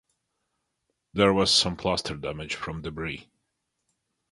There was some plaster damage from debris.